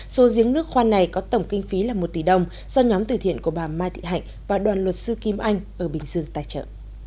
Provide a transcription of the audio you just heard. số giếng nước khoan này có tổng kinh phí là một tỷ đồng do nhóm từ thiện của bà mai thị hạnh và đoàn luật sư kim anh ở bình dương tài trợ